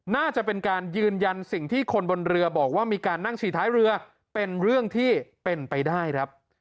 น่าจะเป็นการยืนยันสิ่งที่คนบนเรือบอกว่ามีการนั่งฉี่ท้ายเรือเป็นเรื่องที่เป็นไปได้ครับ